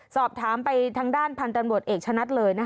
สอบถามไปทางด้านพันธุ์ตำรวจเอกชะนัดเลย